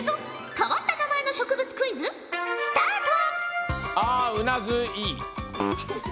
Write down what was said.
変わった名前の植物クイズスタート！